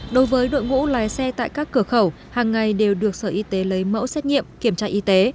đối với đội ngũ lái xe tại các cửa khẩu hàng ngày đều được sở y tế lấy mẫu xét nghiệm kiểm tra y tế